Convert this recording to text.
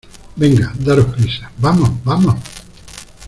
venga, daros prisa. vamos , vamos .